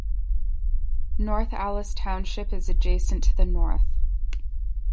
North Allis Township is adjacent to the north.